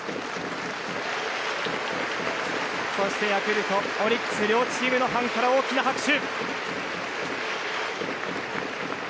そしてヤクルト、オリックス両チームのファンから大きな拍手。